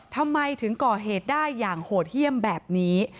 ทำไมถึงก่อเหตุได้อย่างโหดเยี่ยมแบบนี้